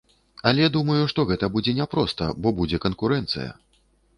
Але думаю, што гэта будзе няпроста, бо будзе канкурэнцыя.